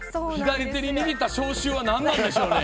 左手に握った消臭は何なんでしょうね。